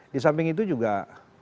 di samping itu juga kita melihat